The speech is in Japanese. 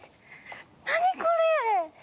何これ？